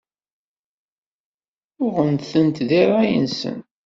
Uɣent-tent di rray-nsen.